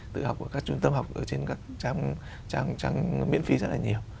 tự học ở các trung tâm học ở trên các trang trang miễn phí rất là nhiều